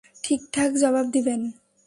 ঠিকঠাক জবাব দিবেন।